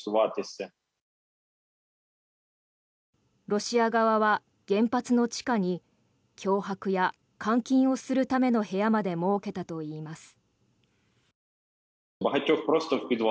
ロシア側は原発の地下に脅迫や監禁をするための部屋まで設けたといいます。